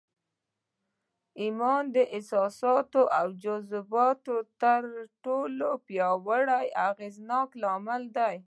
ايمان د احساساتو او جذباتو تر ټولو پياوړی او اغېزناک لامل دی.